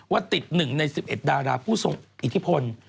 ว่าติด๑ใน๑๑ดาราผู้ทรงอิทธิพล